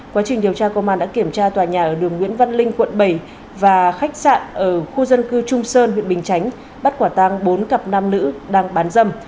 quá trình điều tra công an đã kiểm tra tòa nhà ở đường nguyễn văn linh quận bảy và khách sạn ở khu dân cư trung sơn huyện bình chánh bắt quả tăng bốn cặp nam nữ đang bán dâm